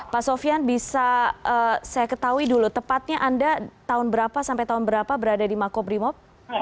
pak sofian bisa saya ketahui dulu tepatnya anda tahun berapa sampai tahun berapa berada di makobrimob